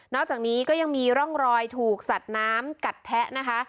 อกจากนี้ก็ยังมีร่องรอยถูกสัดน้ำกัดแทะนะคะ